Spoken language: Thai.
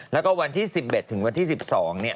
แล้วก็วันที่๑๑ถึงวันที่๑๒เนี่ย